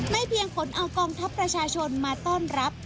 เพียงผลเอากองทัพประชาชนมาต้อนรับ